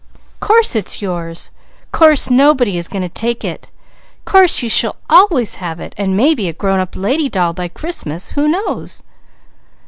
"Course it is yours! Course nobody is going to take it! Course you shall always have it, and maybe a grown up lady doll by Christmas. Who knows?"